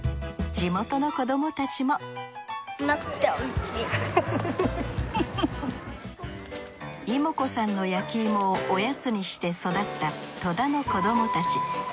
地元の子どもたちもいも子さんの焼いもをおやつにして育った戸田の子どもたち。